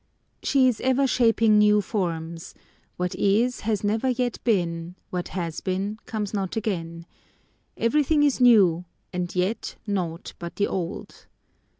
She is ever shaping new forms: what is, has never yet been; what has been, comes not again. Every thing is new, and yet nought but the old.